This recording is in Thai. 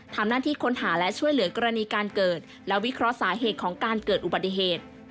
ทำหน้าที่ค้นหาและช่วยเหลือกรณีการเกิดและวิเคราะห์สาเหตุของการเกิดอุบัติเหตุ